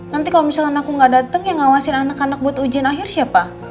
nanti kalau misalkan aku gak dateng ya ngawasin anak anak buat ujian akhir siapa